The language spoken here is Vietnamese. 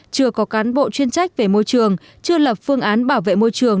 chưa có cán bộ chuyên trách về môi trường chưa lập phương án bảo vệ môi trường